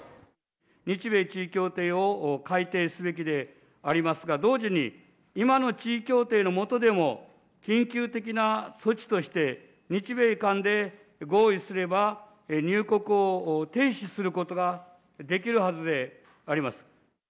日米地位協定を改定すべきでありますが、同時に今の地位協定のもとでも緊急的な措置として、日米間で合意すれば、入国を停止することができるはずであります。